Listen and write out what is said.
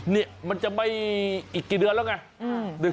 เนี่ยมันจะไปอีกกี่เดือนแล้วไงอืม